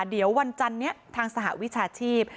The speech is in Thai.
เดี๋ยววันจันนี้ทางสหวิชาชีพ